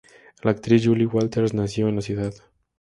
La actriz Julie Walters nació en la ciudad.